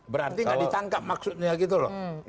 berarti nggak ditangkap maksudnya gitu loh